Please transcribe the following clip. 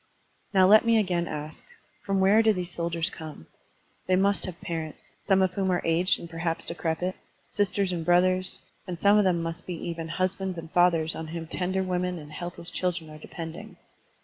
Now let me again ask: From where do these soldiers come? They must have parents — some of whom are aged and perhaps decrepit — sisters and brothers, and some of them must be even husbands and fathers on whom tender women and helpless children are depending.